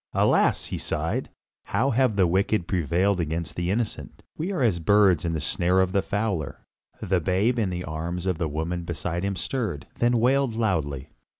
"Alas!" he sighed, "how have the wicked prevailed against the innocent. We are as birds in the snare of the fowler." The babe in the arms of the woman beside him stirred, then wailed loudly.